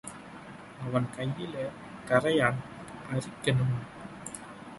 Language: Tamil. அவன் கையில கரையான் அரிக்கணும்.